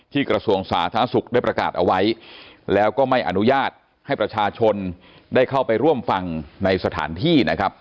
กระทรวงสาธารณสุขได้ประกาศเอาไว้แล้วก็ไม่อนุญาตให้ประชาชนได้เข้าไปร่วมฟังในสถานที่นะครับ